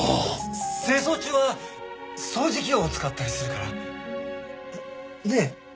清掃中は掃除機を使ったりするから。ねねえ？